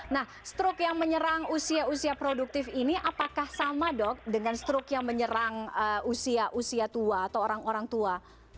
nah struk yang menyerang usia usia produktif ini apakah sama dok dengan struk yang menyerang usia usia tua atau orang orang tua